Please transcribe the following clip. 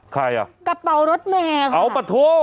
ใครอ่ะกระเป๋ารถแม่ค่ะเอาปะโท